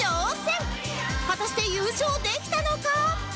果たして優勝できたのか！？